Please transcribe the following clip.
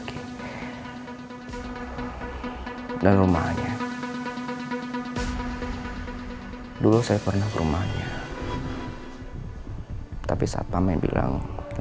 kalo minta tolong sama kamu jangan hukum dia ya